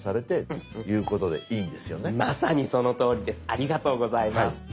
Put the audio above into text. ありがとうございます。